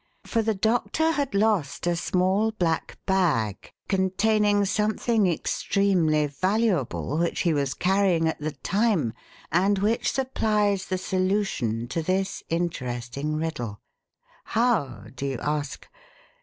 For the doctor had lost a small black bag containing something extremely valuable, which he was carrying at the time and which supplies the solution to this interesting riddle. How, do you ask?